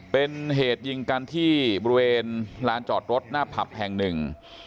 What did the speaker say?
เป็นเหตุยิงกันที่บริเวณลานจอดรถหน้าผับแห่งหนึ่ง